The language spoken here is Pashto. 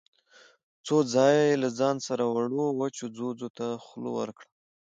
څو ځايه يې له ځان سره وړو وچو ځوځو ته خوله ورکړه.